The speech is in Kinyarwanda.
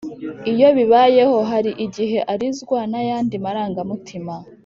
iyo bibayeho, hari igihe arizwa n’ayandi marangamutima